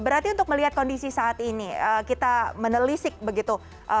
berarti untuk melihat kondisi saat ini kita menelisik begitu